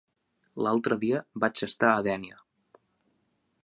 L'altre dia vaig estar a Dénia.